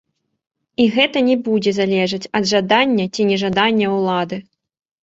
І гэта не будзе залежаць ад жадання ці нежадання ўлады.